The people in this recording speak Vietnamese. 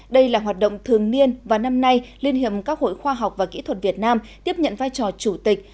đây là hoạt động thường niên và năm nay liên hiệp các hội khoa học và kỹ thuật việt nam tiếp nhận vai trò chủ tịch